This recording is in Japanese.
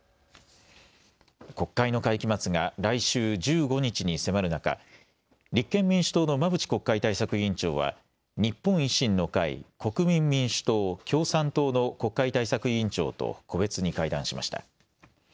国会の会期末が来週１５日に迫る中、立憲民主党の馬淵国会対策委員長は日本維新の会、国民民主党、共産党の国会対策委員長と個別に会談しました。